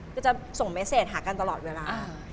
คือจะส่งเมสเซจหากันตลอดเวลา